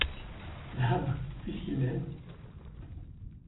Dame, puisqu’il m’aime.